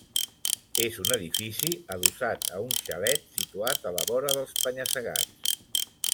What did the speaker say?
És un edifici adossat a un xalet situat a la vora dels penya-segats.